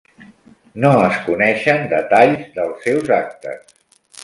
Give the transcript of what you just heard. No es coneixen detalls dels seus actes.